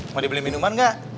mau dibeli minuman gak